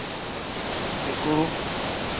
Dukuru.